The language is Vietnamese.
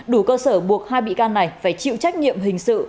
đủ cơ sở buộc hai bị can này phải chịu trách nhiệm hình sự